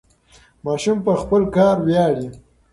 ماشوم په خپل کار ویاړي.